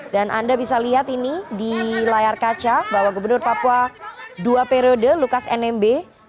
dan anda bisa lihat ini di layar kaca bahwa gubernur papua dua periode lukas nmb